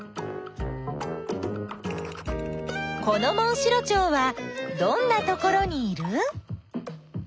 このモンシロチョウはどんなところにいる？